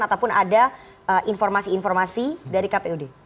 ataupun ada informasi informasi dari kpud